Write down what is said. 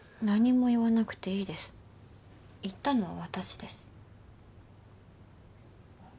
何も言わなくていいです言ったのは私です。